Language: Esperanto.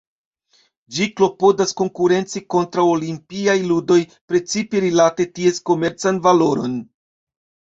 Ĝi klopodas konkurenci kontraŭ Olimpiaj Ludoj, precipe rilate ties komercan valoron.